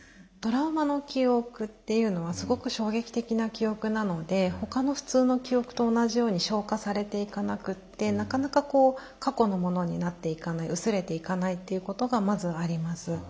トラウマの記憶っていうのはすごく衝撃的な記憶なのでほかの普通の記憶と同じように消化されていかなくってなかなか過去のものになっていかない薄れていかないっていうことがまずあります。